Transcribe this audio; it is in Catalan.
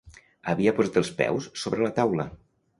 Havia posat els peus sobre la taula.